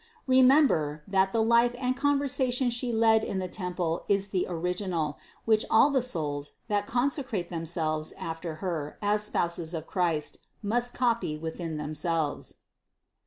Remember, that the life and conversation She led in the temple is the original, which all the souls, that con secrate themselves after Her as spouses of Christ, must copy within themselves."